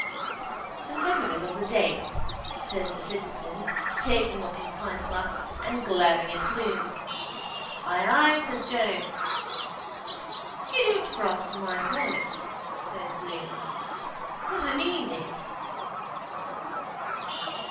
—The memory of the dead, says the citizen taking up his pintglass and glaring at Bloom. —Ay, ay, says Joe. —You don't grasp my point, says Bloom. What I mean is...